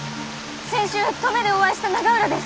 先週登米でお会いした永浦です。